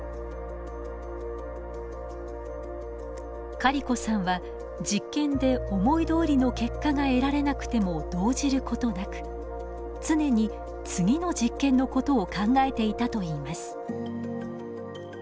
カリコさんは実験で思いどおりの結果が得られなくても動じることなく常に次の実験のことを考えていたといいます。